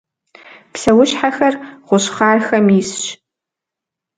Псэущхьэхэр гъущӏхъархэм исщ.